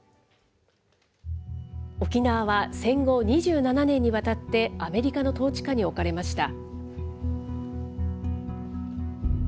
沖縄は戦後２７年にわたって、アメリカの統治下に置かれました。